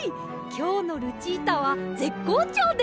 きょうのルチータはぜっこうちょうです！